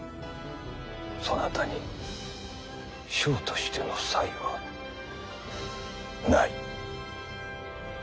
そなたに将としての才はない。